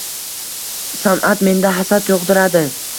San’at menda hasad tug’diradi